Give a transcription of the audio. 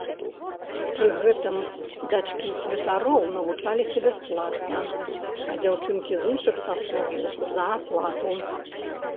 Пры гэтым дачкі святароў навучаліся бясплатна, а дзяўчынкі з іншых саслоўяў за аплату.